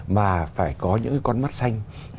mà phải có những con mắt xanh